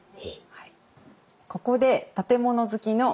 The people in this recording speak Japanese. はい。